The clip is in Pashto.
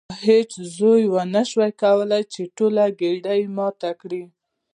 هیڅ زوی ونشو کولی چې ټوله ګېډۍ ماته کړي.